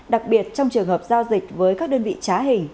đặc biệt trong trường hợp giao dịch với các đơn vị trá hình